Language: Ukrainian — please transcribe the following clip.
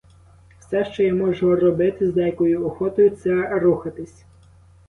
Все, що я можу робити з деякою охотою, це рухатись.